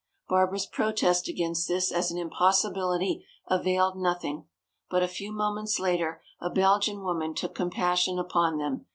Barbara's protest against this as an impossibility availed nothing. But a few moments later a Belgian woman took compassion upon them.